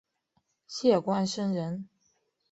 谢冠生人。